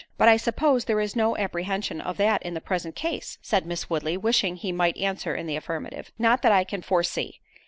"But I suppose there is no apprehension of that in the present case?" said Miss Woodley—wishing he might answer in the affirmative. "Not that I can foresee.